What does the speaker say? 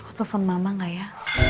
aku telepon mama gak ya